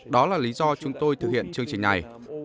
đó là lý do chúng tôi thực hiện chương trình này